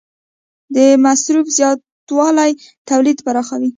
د مصرف زیاتوالی تولید پراخوي.